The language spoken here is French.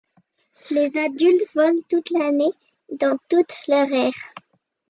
Les adultes volent toute l'année dans toute leur aire.